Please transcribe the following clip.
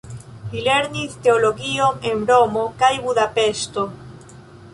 Li lernis teologion en Romo kaj Budapeŝto.